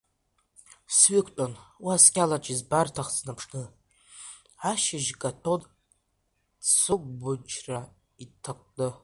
Сҩықәтәан, уа сқьалаҿ избарҭахт снаԥшны, ашьыжь каҭәон цыгәмырча иҭыкәкәаны.